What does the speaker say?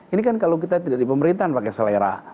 ini kan kalau kita tidak di pemerintahan pakai selera